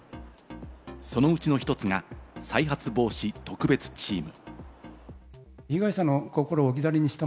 そのうちの１つが再発防止特別チーム。